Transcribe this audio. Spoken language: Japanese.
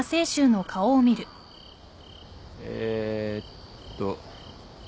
えーっと。